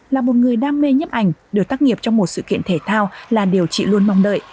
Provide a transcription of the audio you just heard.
là một người đam mê nhấp ảnh được tác nghiệp trong một sự kiện thể thao là điều chị luôn mong đợi